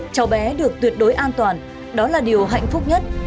cháu bé được tuyệt đối an toàn đó là điều hạnh phúc nhất